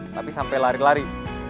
tapi sampe lari lari